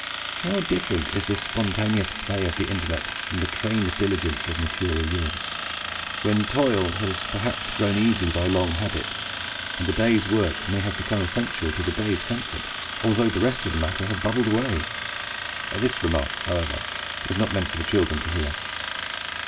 How different is this spontaneous play of the intellect from the trained diligence of maturer years, when toil has perhaps grown easy by long habit, and the day's work may have become essential to the day's comfort, although the rest of the matter has bubbled away! This remark, however, is not meant for the children to hear.